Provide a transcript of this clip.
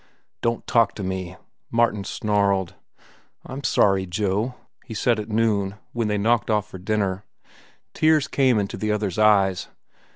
"Don't talk to me," Martin snarled. "I'm sorry, Joe," he said at noon, when they knocked off for dinner. Tears came into the other's eyes.